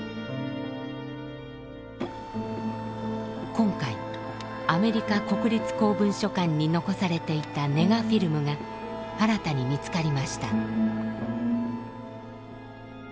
今回アメリカ国立公文書館に残されていたネガフィルムが新たに見つかりました。